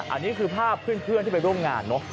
อันนี้คือภาพเพื่อนที่ไปร่วมงานเนอะ